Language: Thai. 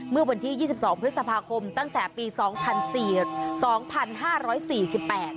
เมื่อวันที่ยี่สิบสองพฤษภาคมตั้งแต่ปีสองพันสี่สองพันห้าร้อยสี่สิบแปด